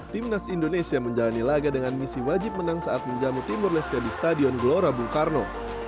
timnas indonesia menjalani laga dengan misi wajib menang saat menjamu timur leste di stadion gelora bung karno